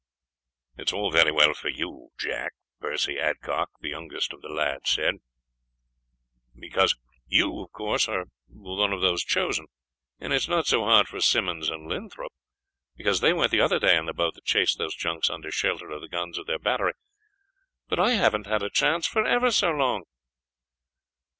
"It's all very well for you, Jack," Percy Adcock, the youngest of the lads, replied, "because you are one of those chosen; and it is not so hard for Simmons and Linthorpe, because they went the other day in the boat that chased those junks under shelter of the guns of their battery, but I haven't had a chance for ever so long."